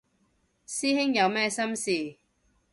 師兄有咩心事